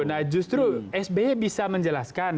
nah justru s b bisa menjelaskan